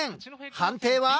判定は？